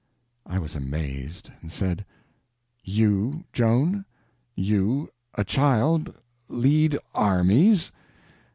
I was amazed, and said: "You, Joan? You, a child, lead armies?"